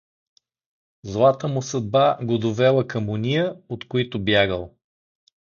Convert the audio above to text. Злата му съдба го довела към ония, от които бягал.